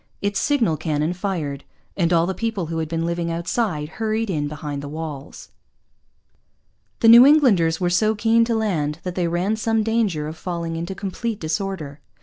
Its signal cannon fired. And all the people who had been living outside hurried in behind the walls. The New Englanders were so keen to land that they ran some danger of falling into complete disorder.